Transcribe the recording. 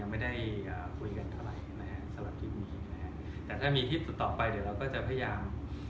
ไม่ได้คุยกันเท่าไหร่ใช่ไหมสำหรับคลิปนี้นะฮะแต่ถ้ามีคลิปต่อไปเดี๋ยวเราก็จะพยายาม